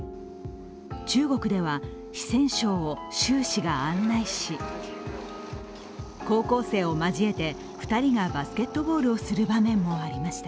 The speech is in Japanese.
中国では四川省を習氏が案内し高校生を交えて２人がバスケットボールをする場面もありました。